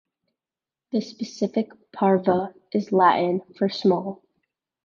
The specific "parva" is Latin for "small".